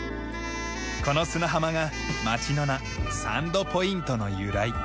この砂浜が町の名サンドポイントの由来。